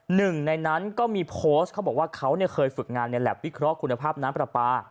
หนึ่งในนั้นก็มีโพสต์เขาบอกว่าเขาเคยฝึกงานในแล็บวิเคราะห์คุณภาพน้ำปลาปลา